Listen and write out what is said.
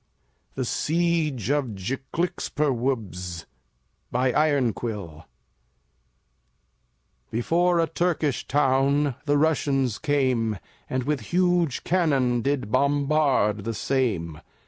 THE SIEGE OF DJKLXPRWBZ BY IRONQUILL Before a Turkish town The Russians came, And with huge cannon Did bombard the same.